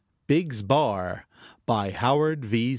BIGGS' BAR BY HOWARD V.